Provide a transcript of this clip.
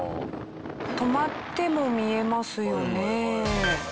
止まっても見えますよね。